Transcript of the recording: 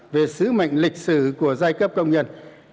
về sứ mệnh lịch sử của giai cấp công nhân